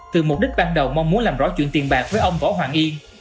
từ mục đích ban đầu mong muốn làm rõ chuyện tiền bạc với ông võ hoàng yên